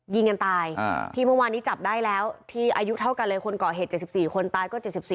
ยิงกันตายที่เมื่อวานนี้จับได้แล้วที่อายุเท่ากันเลยคนก่อเหตุ๗๔คนตายก็๗๔